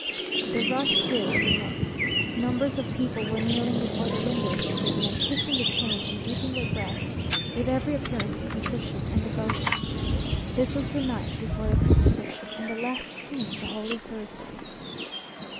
The rush here was immense. Numbers of people were kneeling before the window of the prison, and kissing the chains and beating their breasts with every appearance of contrition and devotion. This was the night before the Crucifixion, and the last scene of the Holy Thursday.